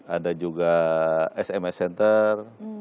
ada juga sms center